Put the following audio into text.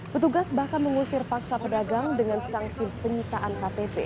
petugas bahkan mengusir paksa pedagang dengan sanksi penyitaan ktp